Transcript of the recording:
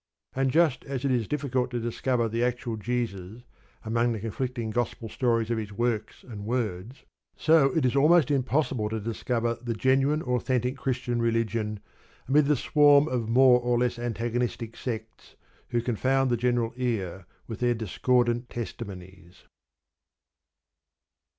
And just as it is difficult to discover the actual Jesus among the conflicting Gospel stories of His works and words, so it is almost impossible to discover the genuine authentic Christian religion amid the swarm of more or less antagonistic sects who confound the general ear with their discordant testimonies.